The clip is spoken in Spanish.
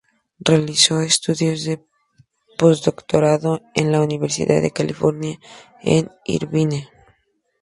Realizó estudios de posdoctorado en la Universidad de California en Irvine.